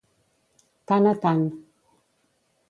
Tant a tant.